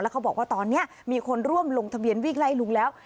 เขาบอกว่าตอนนี้มีคนร่วมลงทะเบียนวิ่งไล่ลุงแล้ว